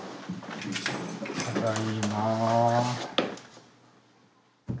ただいま。